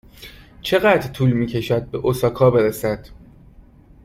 چقدر طول می کشد به اوساکا برسد؟